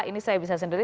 ini saya bisa sendiri